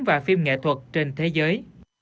và phim nghệ thuật trên thế giới